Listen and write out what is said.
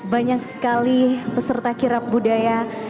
banyak sekali peserta kirap budaya